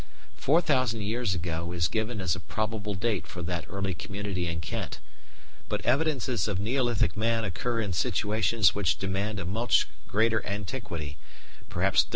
Four thousand years ago is given as a probable date for that early community in Kent, but evidences of Neolithic man occur in situations which demand a much greater antiquity perhaps 30,000 years.